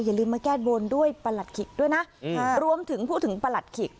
อย่าลืมมาแก้บนด้วยประหลัดขิกด้วยนะรวมถึงพูดถึงประหลัดขิก